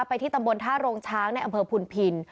ที่ตำบลท่าโรงช้างในอำเภอพุนพิน